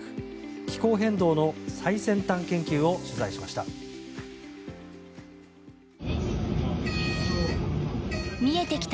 気候変動の最先端研究を取材しました。